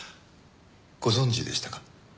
ご存じでしたか？